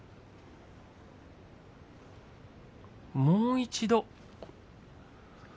もう一度。